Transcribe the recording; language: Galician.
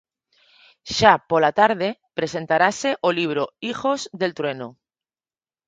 Xa pola tarde presentarase o libro Hijos del Trueno.